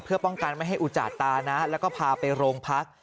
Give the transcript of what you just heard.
เพื่อป้องกันไม่ให้อุจจาตานะแล้วก็พาไปโรงพัก